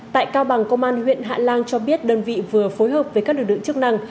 tại cao bằng công an huyện hạ lan cho biết đơn vị vừa phối hợp với các lực lượng chức năng